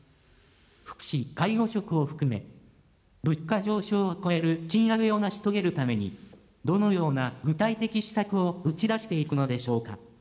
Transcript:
福祉・介護職を含め、物価上昇を超える賃上げを成し遂げるために、どのような具体的施策を打ち出していくのでしょうか。